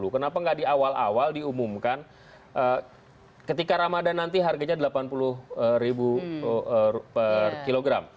kenapa nggak di awal awal diumumkan ketika ramadan nanti harganya rp delapan puluh per kilogram